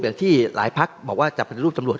อย่างที่หลายพักบอกว่าจะเป็นรูปตำรวจ